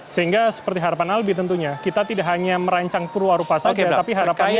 sehingga seperti harapan albi tentunya kita tidak hanya merancang perwarupa saja tapi harapannya